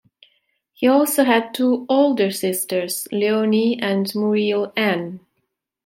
He also had two older sisters, Leonie and Muriel Ann.